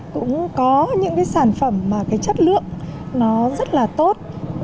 cũng có những sản phẩm mà chất lượng nó rất là tốt